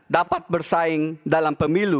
dapat bersaing dalam pemilu